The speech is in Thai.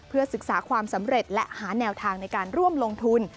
เพื่อศึกษาความสำเร็จและหาแนวทางในการร่วมลงทุน